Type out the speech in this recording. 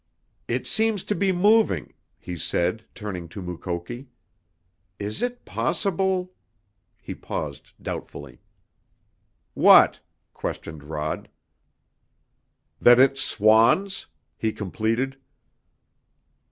"It seems to be moving," he said, turning to Mukoki. "Is it possible " He paused doubtfully. "What?" questioned Rod. "That it's swans!" he completed.